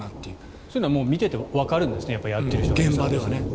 そういうのは見ていてわかるんですねやっている人は現場で。